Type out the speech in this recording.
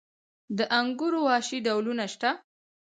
د انګورو وحشي ډولونه شته؟